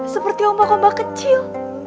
seperti ombak ombak kecil